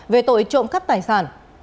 về tội trộm cắt tài sản